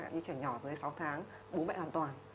như trẻ nhỏ dưới sáu tháng bố bệnh hoàn toàn